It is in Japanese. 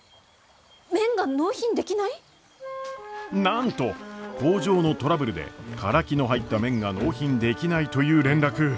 なんと工場のトラブルでカラキの入った麺が納品できないという連絡。